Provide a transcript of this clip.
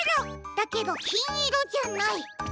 だけどきんいろじゃない。